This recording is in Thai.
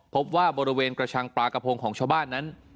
พบว่าบริเวณกระชังปลากระพงของชาวบ้านนั้น